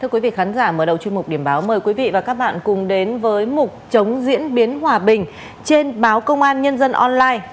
thưa quý vị khán giả mở đầu chuyên mục điểm báo mời quý vị và các bạn cùng đến với mục chống diễn biến hòa bình trên báo công an nhân dân online